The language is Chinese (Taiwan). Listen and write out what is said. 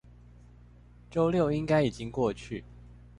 週六應該已經過去